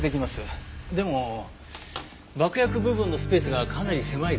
でも爆薬部分のスペースがかなり狭いですね。